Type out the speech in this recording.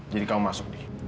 jadi kamu masuk ndi